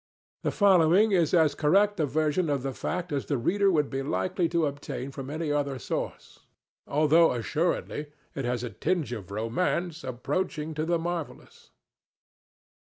The following is as correct a version of the fact as the reader would be likely to obtain from any other source, although, assuredly, it has a tinge of romance approaching to the marvellous.